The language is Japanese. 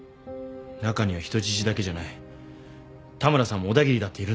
中には人質だけじゃない田村さんも小田切だっているんですよ。